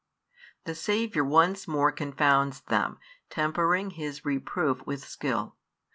The Saviour once more confounds them, tempering His reproof with skill.